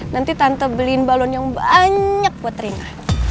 nanti tante beliin balon yang banyak buat rina